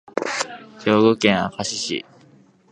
兵庫県明石市